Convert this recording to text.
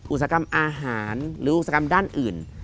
อุตสาหกรรมอาหารหรืออุตสาหกรรมด้านอื่น